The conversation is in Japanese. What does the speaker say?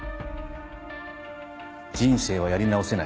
人生はやり直せない。